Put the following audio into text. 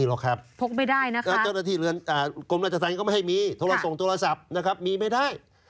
เจ้าหน้าที่กลมรัฐศรัทย์ก็ไม่ให้มีโทรส่งโทรศัพท์มีไม่ได้